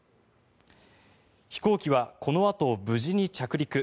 飛行機はこのあと、無事に着陸。